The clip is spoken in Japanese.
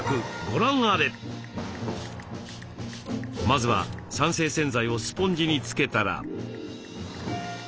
まずは酸性洗剤をスポンジに付けたら。